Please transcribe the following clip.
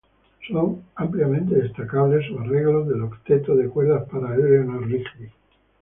Son ampliamente destacables sus arreglos del octeto de cuerdas para "Eleanor Rigby".